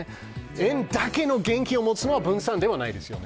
円だけの現金を持つのは分散ではないですよね